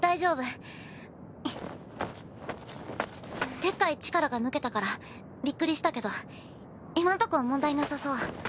でっかい力が抜けたからびっくりしたけど今んとこ問題なさそう。